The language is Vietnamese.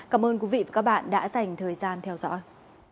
cảm ơn quý vị và các bạn đã dành thời gian theo dõi